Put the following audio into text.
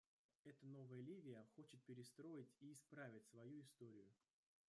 Эта новая Ливия хочет перестроить и исправить свою историю.